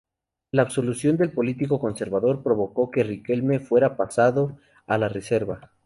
La absolución del político conservador provocó que Riquelme fuera pasado a la reserva.